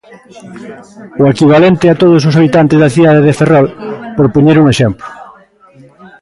O equivalente a todos os habitantes da cidade de Ferrol, por poñer un exemplo.